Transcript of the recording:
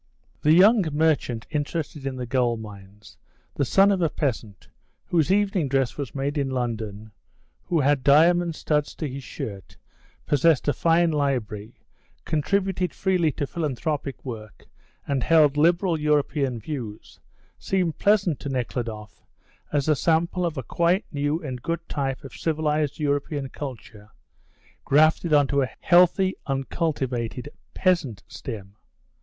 The young merchant interested in the gold mines, the son of a peasant, whose evening dress was made in London, who had diamond studs to his shirt, possessed a fine library, contributed freely to philanthropic work, and held liberal European views, seemed pleasant to Nekhludoff as a sample of a quite new and good type of civilised European culture, grafted on a healthy, uncultivated peasant stem.